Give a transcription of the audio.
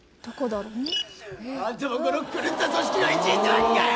あんたもこの狂った組織の一員ってわけかよ！